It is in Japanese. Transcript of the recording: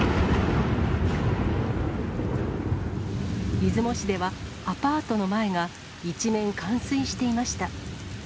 出雲市では、アパートの前が一面、冠水していました。